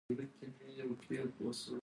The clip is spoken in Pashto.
رسوب د افغانستان د اقتصاد برخه ده.